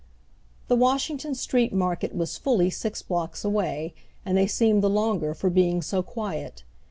The Washington Street market was fully six blocks away, and they seemed the longer for being so quiet.